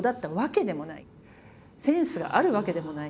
センスがあるわけでもない。